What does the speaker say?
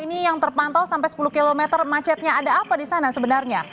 ini yang terpantau sampai sepuluh km macetnya ada apa di sana sebenarnya